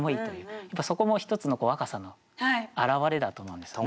そこも一つの若さの表れだと思うんですね。